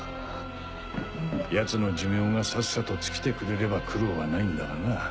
ヤツの寿命がさっさと尽きてくれれば苦労はないんだがな。